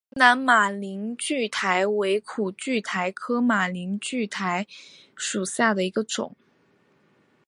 湖南马铃苣苔为苦苣苔科马铃苣苔属下的一个种。